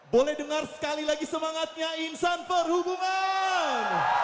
boleh dengar sekali lagi semangatnya insan perhubungan